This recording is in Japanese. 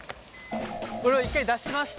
これを一回出しまして。